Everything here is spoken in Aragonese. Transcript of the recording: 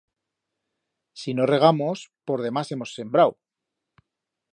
Si no regamos, por demás hemos sembrau.